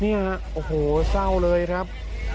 เนี่ยโอ้โหเศร้าเลยครับ